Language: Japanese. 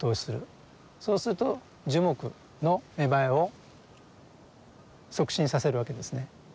そうすると樹木の芽生えを促進させるわけですね。